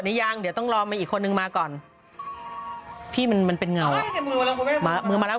หรือยังเดี๋ยวต้องรอมีอีกคนนึงมาก่อนพี่มันมันเป็นเงามามือมาแล้ว